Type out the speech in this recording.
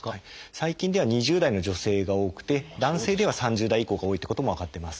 最近では２０代の女性が多くて男性では３０代以降が多いっていうことも分かってます。